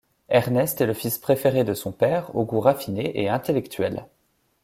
Ernest est le fils préféré de son père, aux goûts raffinés et intellectuels.